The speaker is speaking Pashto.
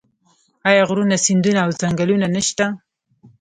آیا غرونه سیندونه او ځنګلونه نشته؟